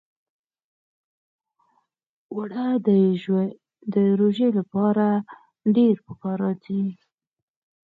اوړه د روژې لپاره ډېر پکار راځي